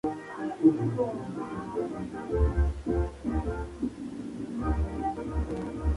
Durante el combate, el jefe de la tripulación del helicóptero es mortalmente herido.